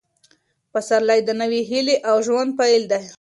پسرلی د نوې هیلې او ژوند پیل دی.